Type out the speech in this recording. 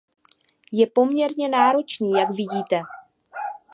Je poměrně náročný, jak vidíte.